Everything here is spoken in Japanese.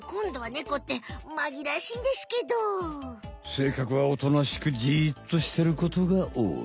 性格はおとなしくじっとしてることがおおい。